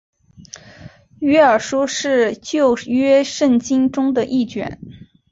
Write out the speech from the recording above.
约珥书是旧约圣经中的一卷。